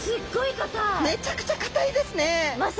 めちゃくちゃ硬いですね。